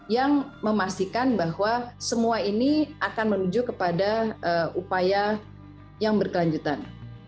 yang memastikan bahwa semua ini akan menuju kepada upaya yang berkelanjutan